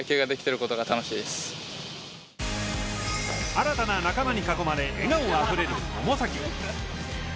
新たな仲間に囲まれ、笑顔あふれる百崎。